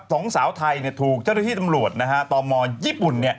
สองสาวไทยถูกเจ้าหน้าที่ตำรวจตมญี่ปุ่น